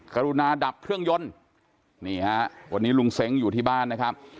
กรุณาดับเครื่องยนต์นี่ฮะวันนี้ลุงเซ้งอยู่ที่บ้านนะครับ